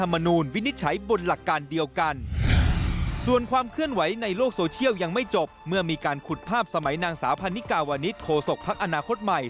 เมื่อมีการขุดภาพสมัยนางสาวพันนิกาวณิชย์โฆษกภักดิ์อนาคตใหม่